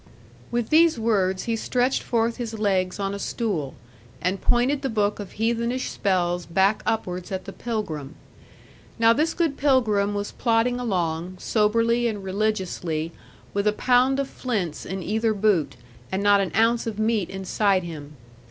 With these words he stretched forth his legs on a stool, and pointed the book of heathenish spells back upwards at the pilgrim. Now this good pilgrim was plodding along, soberly and religiously, with a pound of flints in either boot, and not an ounce of meat inside him.